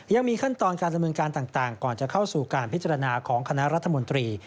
ยังมีขั้นตอนการดำเนินการต่างก่อนจะเข้าสู่การพิจารณาของคณะรัฐมนตรี